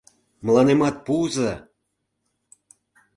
— Мыланемат пуыза!..